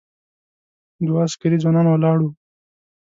دوه عسکري ځوانان ولاړ و.